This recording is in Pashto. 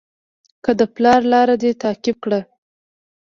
که د پلار لاره دې تعقیب کړه.